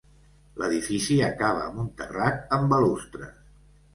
L'edifici acaba amb un terrat amb balustres.